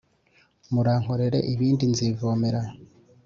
Murankorere ibindi nzivomera.